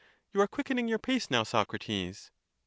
You are quickening your pace now, Socrates.